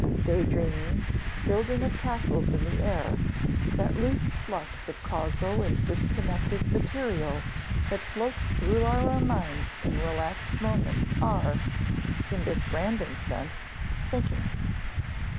Daydreaming, building of castles in the air, that loose flux of casual and disconnected material that floats through our minds in relaxed moments are, in this random sense, thinking.